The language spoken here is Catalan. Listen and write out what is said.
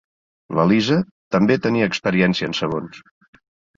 La Lisa també tenia experiència en sabons.